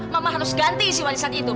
mama harus ganti si warisan itu